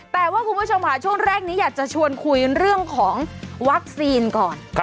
แต่ว่าคุณผู้ชมค่ะช่วงแรกนี้อยากจะชวนคุยเรื่องของวัคซีนก่อน